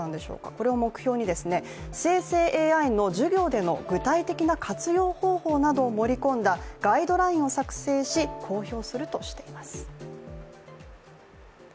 これを目標に生成ＡＩの授業での具体的な活用方法などを盛り込んだ盛り込んだガイドラインを作成し公表するとしています。